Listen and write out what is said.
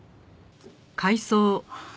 ああ。